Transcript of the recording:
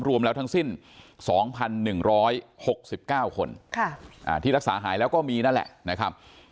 รวมแล้วทั้งสิ้น๒๑๖๙คนที่รักษาหายแล้วก็มีนั่นแหละนะครับ